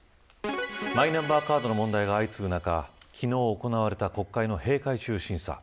マイナンバーカードの問題が相次ぐ中昨日行われた国会の閉会中審査。